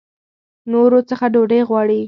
نورو څخه ډوډۍ غواړي.